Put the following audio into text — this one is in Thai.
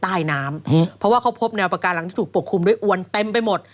ใต้น้ำอืมเพราะว่าเขาพบแนวปาการังที่ถูกปกคลุมด้วยอวนเต็มไปหมด